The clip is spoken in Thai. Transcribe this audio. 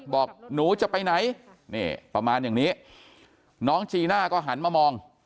บอกหนูจะไปไหนนี่ประมาณอย่างนี้น้องจีน่าก็หันมามอง